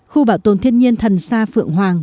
khu bảo tồn thiên nhiên thần xa phượng hoàng